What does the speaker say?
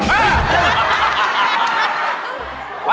โอ๊ยเหรงว่ะ